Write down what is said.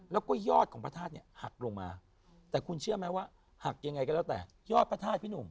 แล้วก็ยอดของพระธาตุเนี่ยหักลงมาแต่คุณเชื่อไหมว่าหักยังไงก็แล้วแต่ยอดพระธาตุพี่หนุ่ม